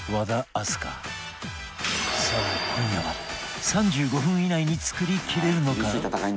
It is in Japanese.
さあ今夜は３５分以内に作りきれるのか？